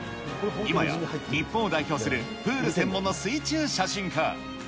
今や日本を代表するプール専門の水中写真家。